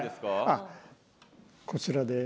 あっこちらです。